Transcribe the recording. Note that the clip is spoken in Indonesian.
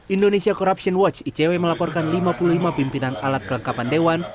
indonesia corruption watch icw melaporkan lima puluh lima pimpinan alat kelengkapan dewan